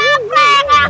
enak ya dibohongin ya enak